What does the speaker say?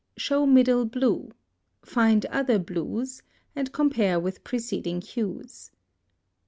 Show MIDDLE BLUE. Find other blues, „ with preceding hues.